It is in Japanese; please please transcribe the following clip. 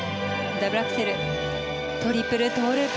ダブルアクセルトリプルトウループ。